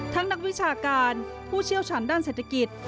นักวิชาการผู้เชี่ยวชันด้านเศรษฐกิจ